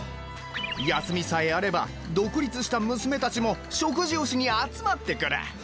休みさえあれば独立した娘たちも食事をしに集まってくる。